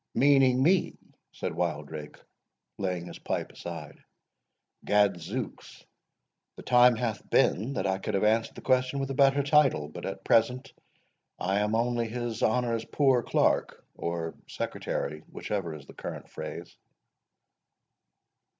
"Meaning me?" said Wildrake, laying his pipe aside; "Gadzooks, the time hath been that I could have answered the question with a better title; but at present I am only his honour's poor clerk, or secretary, whichever is the current phrase."